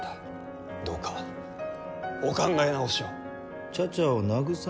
どうかお考え直しを。